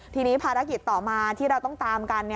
ทีนี้ภารกิจต่อมาที่เราต้องตามกัน